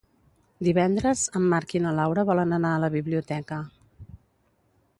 Divendres en Marc i na Laura volen anar a la biblioteca.